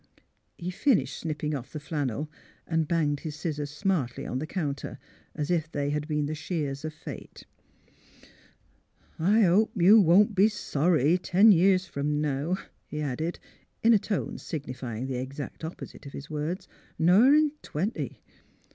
He finished snipping off the flannel and banged his scissors smartly on the counter, as if they had been the shears of fate. '^ I hope you won't be sorry ten years from now," he added, in a tone signifying the exact opposite of his words; " ner in twenty.